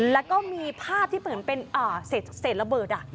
แล้วก็มีภาพที่เหมือนเป็นเศษระเบิด